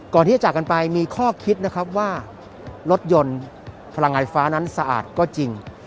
ก่อนที่จะจากกันไปมีข้อคิดว่ารถยนต์พลังงานไฟฟ้านั้นสะอาดก็จริง